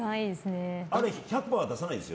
あれ１００％は出さないんです。